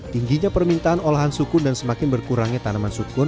tingginya permintaan olahan sukun dan semakin berkurangnya tanaman sukur